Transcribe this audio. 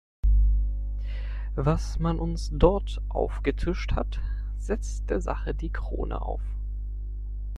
Was man uns dort aufgetischt hat, setzt der Sache die Krone auf!